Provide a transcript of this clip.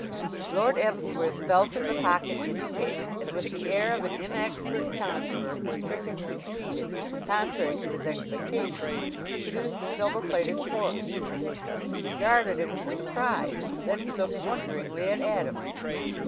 Lord Emsworth felt in the pocket indicated, and with the air of an inexpert conjurer whose trick has succeeded contrary to his expectations produced a silver plated fork. He regarded it with surprise; then he looked wonderingly at Adams.